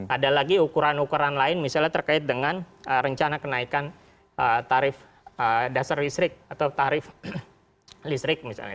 ada lagi ukuran ukuran lain misalnya terkait dengan rencana kenaikan tarif dasar listrik atau tarif listrik misalnya